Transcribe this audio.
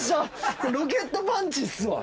ロケットパンチっすわ。